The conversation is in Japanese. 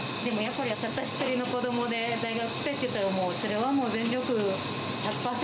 でもたった一人の子どもで、大学に行きたいって言ったら、それはもう全力で１００％